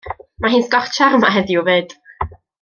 Ma hi'n sgortshar 'ma heddiw fyd.